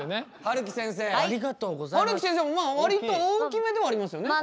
はるき先生も割と大きめではありますよね？